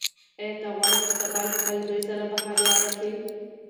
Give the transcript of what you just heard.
ایا ته غواړې چې سبا له خپل زوی سره بهر لاړه شې؟